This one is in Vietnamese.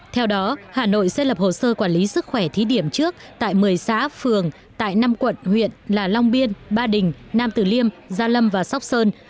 theo đó hà nội sẽ lập hồ sơ quản lý sức khỏe thí điểm trước tại một mươi xã phường tại năm quận huyện là long biên ba đình nam tử liêm gia lâm và sóc sơn